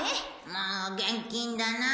もう現金だなあ。